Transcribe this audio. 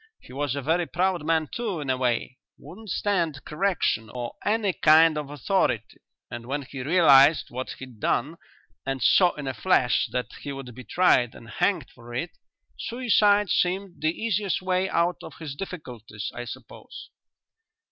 He was a very proud man too, in a way wouldn't stand correction or any kind of authority, and when he realized what he'd done and saw in a flash that he would be tried and hanged for it, suicide seemed the easiest way out of his difficulties, I suppose."